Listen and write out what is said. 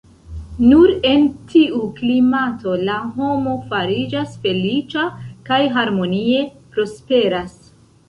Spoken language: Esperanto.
Nur en tiu klimato la homo fariĝas feliĉa kaj harmonie prosperas.